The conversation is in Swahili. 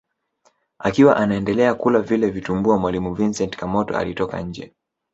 Akiwa anaendelea kula vile vitumbua mwalimu Vincent Kamoto alitoka nje